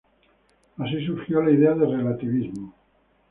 Así surgió la idea de relativismo.